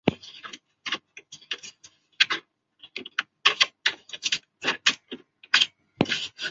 十字形黄耆为豆科黄芪属的植物。